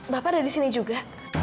bapak ada di sini juga